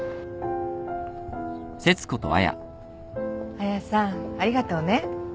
彩さんありがとうね。